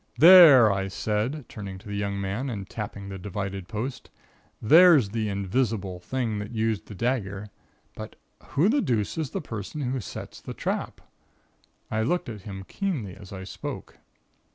"There!" I said, turning to the young man and tapping the divided post. "There's the 'invisible' thing that used the dagger, but who the deuce is the person who sets the trap?" I looked at him keenly as I spoke.